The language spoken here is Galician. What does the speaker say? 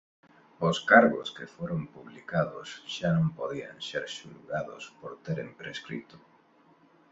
Os cargos que foron publicados xa non podían ser xulgados por teren prescrito.